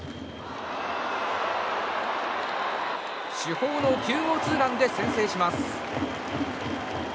主砲の９号ツーランで先制します。